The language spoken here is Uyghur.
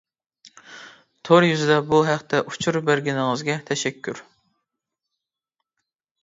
تور يۈزىدە بۇ ھەقتە ئۇچۇر بەرگىنىڭىزگە تەشەككۈر.